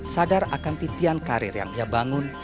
sadar akan titian karir yang ia bangun